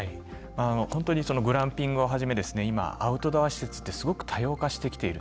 本当にグランピングをはじめ今、アウトドア施設ってすごく多様化してきている。